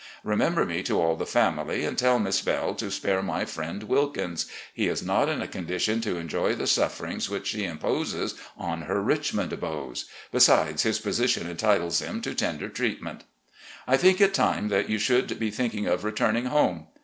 Remember me to all the family, and tell Miss Belle to spare my friend Wilkins. He is not in a condition to enjoy the sufferings which she imposes on her Richmond beaux. Besides, his position entitles him to tender treatment. " I think it time that you should be thinking of returning home.